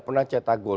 pernah cetak gol